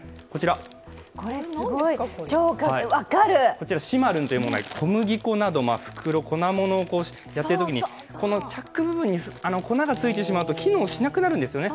こちらはしまるんというもので、粉状のもの粉ものをやっているときに、チャック部分に粉がついてしまうと機能しなくなるんですよね。